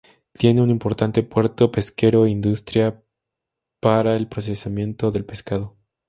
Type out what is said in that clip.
Tiene un importante puerto pesquero e industria para el procesamiento del pescado.